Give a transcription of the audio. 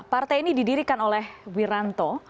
partai ini didirikan oleh wiranto